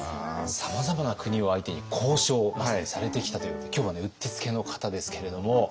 さまざまな国を相手に交渉をまさにされてきたということで今日はねうってつけの方ですけれども。